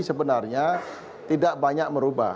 sebenarnya tidak banyak merubah